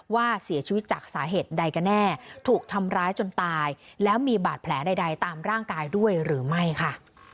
ว่าเสียชีวิตจากสาเหตุใดกันแน่ถูกทำร้ายจนตายแล้วมีบาดแผลใดตามร่างกายด้วยหรือไม่ค่ะ